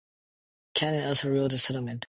The canons also ruled this settlement.